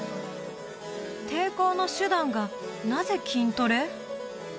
抵抗の手段がなぜ筋トレ？